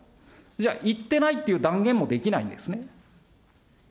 じゃあ、行ってないっていう断言もできないんですね。